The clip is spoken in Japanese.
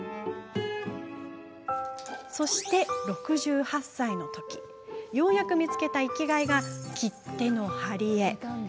そして６８歳のときようやく見つけた生きがいが切手の貼り絵。